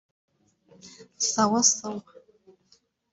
‘Sawa sawa’